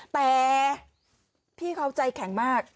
แต่พี่เขาใจแข็งมาก